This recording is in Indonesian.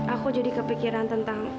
aku jadi kepikiran tentang